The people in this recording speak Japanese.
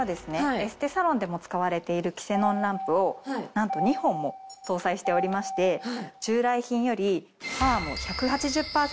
エステサロンでも使われてるキセノンランプをなんと２本も搭載しておりまして従来品より。